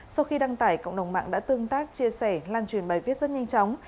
sau khi đăng tải cộng đồng mạng đã tương tác chia sẻ lan truyền bài viết rất nhanh chóng